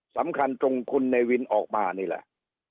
สำคัญตรงคุณเนวินออกมานี่แหละ